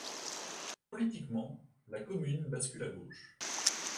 Politiquement, la commune bascule à gauche.